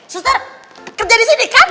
suster kerja di sini kan